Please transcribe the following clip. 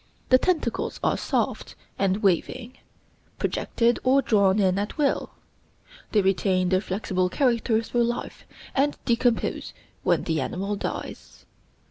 The tentacles are soft and waving, projected or drawn in at will; they retain their flexible character through life, and decompose when the animal dies.